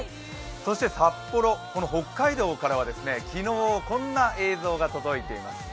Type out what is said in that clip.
そして札幌、北海道からは昨日、こんな映像が届いています。